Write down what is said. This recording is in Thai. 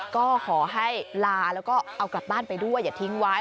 ก็ขอให้ลาแล้วก็เอากลับบ้านไปด้วยอย่าทิ้งไว้